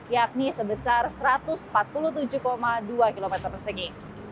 yakni sebesar satu ratus empat puluh tujuh dua km persegi